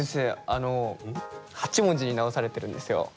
あの８文字に直されてるんですよ。